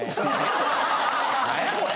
何やそれ！？